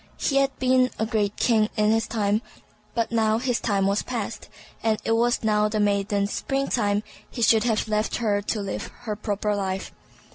He had been a great king in his time, but now his time was past, and as it was now the maiden's spring time, he should have left her to live her proper life.